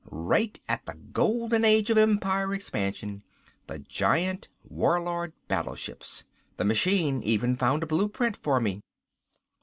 Right at the Golden Age of Empire expansion, the giant Warlord battleships. The machine even found a blueprint for me."